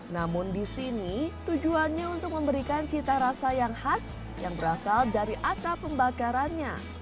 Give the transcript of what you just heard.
namun di sini tujuannya untuk memberikan cita rasa yang khas yang berasal dari atap pembakarannya